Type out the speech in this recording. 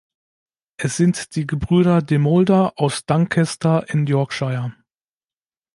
Es sind die Gebrüder Demulder aus Duncaster in Yorkshire.